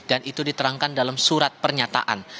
dan itu diterangkan dalam surat pernyataan